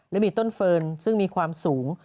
และมีต้นเฟิร์นซึ่งมีความสูง